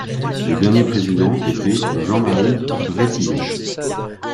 Le dernier président était Jean-Marie Brétillon.